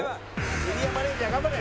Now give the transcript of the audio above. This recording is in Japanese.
「エリアマネージャー頑張れ！」